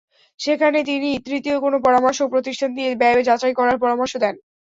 সেখানে তিনি তৃতীয় কোনো পরামর্শক প্রতিষ্ঠান দিয়ে ব্যয় যাচাই করার পরামর্শ দেন।